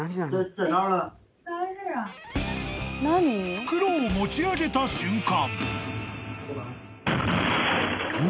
［袋を持ち上げた瞬間］